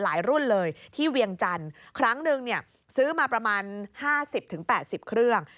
หลายรุ่นเลยที่เวียงจันทร์ครั้งหนึ่งเนี่ยซื้อมาประมาณ๕๐๘๐เครื่อง